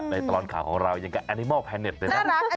ในตอนข่าวของเรายังกับแอนิมอลแพนท์ด้วยนะ